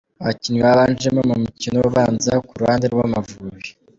Abakinnyi babanjemo ku mukino ubanza ku ruhande rw' Amavubi.